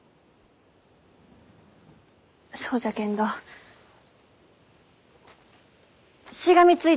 そうじゃけんどしがみつい